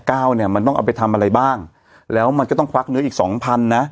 เนี่ยมันต้องเอาไปทำอะไรบ้างแล้วมันก็ต้องควักเนื้ออีกสองพันนะ